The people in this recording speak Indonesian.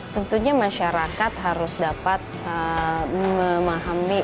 tentunya masyarakat harus dapat memahami